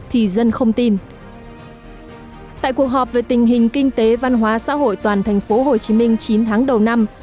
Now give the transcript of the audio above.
tại cuộc họp về tình hình kinh tế văn hóa xã hội toàn thành phố hồ chí minh chín tháng đầu năm